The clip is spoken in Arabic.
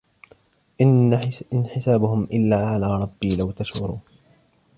إِنْ حِسَابُهُمْ إِلَّا عَلَى رَبِّي لَوْ تَشْعُرُونَ